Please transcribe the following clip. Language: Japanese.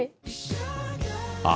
あ